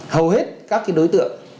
hầu hết các đối tượng